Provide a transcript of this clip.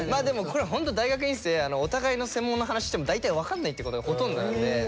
でもこれホント大学院生お互いの専門の話しても大体分かんないってことがほとんどなんで。